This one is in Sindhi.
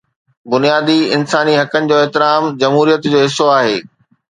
بنيادي انساني حقن جو احترام جمهوريت جو حصو آهي.